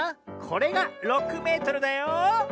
これが６メートルだよ。